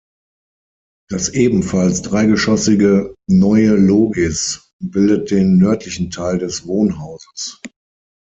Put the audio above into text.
Das ebenfalls dreigeschossige "Neue Logis" bildet den nördlichen Teil des Wohnhauses.